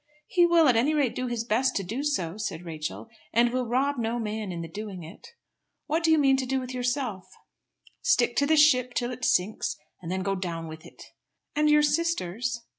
"He will at any rate do his best to do so," said Rachel, "and will rob no man in the doing it. What do you mean to do with yourself?" "Stick to the ship till it sinks, and then go down with it." "And your sisters?"